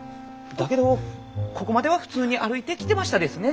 だけどここまでは普通に歩いてきてましたですね。